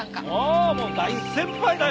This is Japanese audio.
おもう大先輩だよ